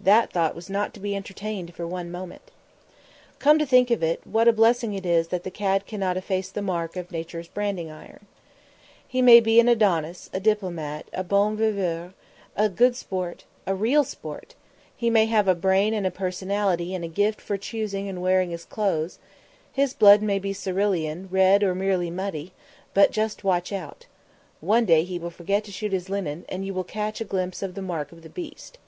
that thought was not to be entertained for one moment. Come to think of it, what a blessing it is that the cad cannot efface the mark of Nature's branding iron. He may be an Adonis, a diplomat, a bon viveur, a good sort, a real sport; he may have a brain and a personality and a gift for choosing and wearing his clothes; his blood may be cerulean, red or merely muddy; but just watch out. One day he will forget to shoot his linen, and you will catch a glimpse of the mark of the beast.